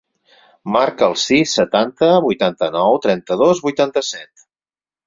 Marca el sis, setanta, vuitanta-nou, trenta-dos, vuitanta-set.